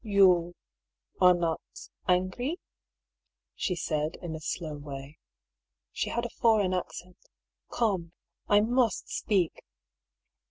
" You are not — angry ?" she said in a slow way ; she had a foreign accent. " Come, I must speak."